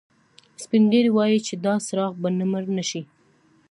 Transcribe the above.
سپین ږیری وایي چې دا څراغ به مړ نه شي